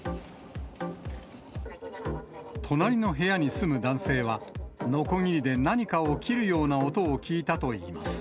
隣の部屋に住む男性は、のこぎりで何かを切るような音を聞いたといいます。